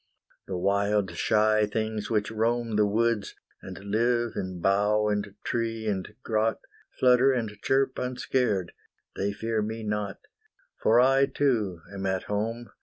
The wild shy things which roam The woods, and live in bough and tree and grot, Flutter and chirp unscared, they fear me not, For I too am at home.